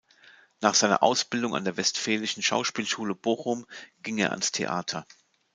Nach seiner Ausbildung an der Westfälischen Schauspielschule Bochum ging er ans Theater.